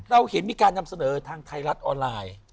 เราเห็นมีการนำเสนอทางไทยรัฐออนไลน์